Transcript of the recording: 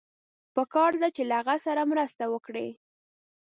پکار ده چې له هغه سره مرسته وکړئ.